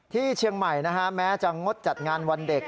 ที่เชียงใหม่นะฮะแม้จะงดจัดงานวันเด็ก